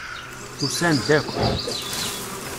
Usan-d akk.